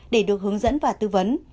để được hướng dẫn và tư vấn